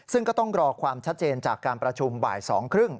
ซึ่งก็ต้องรอความชัดเจนจากการประชุมบ่าย๒๓๐